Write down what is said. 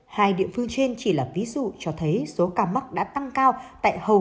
hai địa phương trên chỉ là ví dụ cho thấy số ca mắc đã tăng cao tại hầu